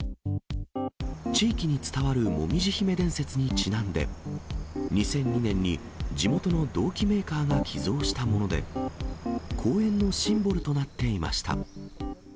地域に伝わるもみじ姫伝説にちなんで、２００２年に地元の銅器メーカーが寄贈したもので、公園のシンボルとなっていました。